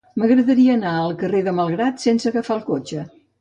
M'agradaria anar al carrer de Malgrat sense agafar el cotxe.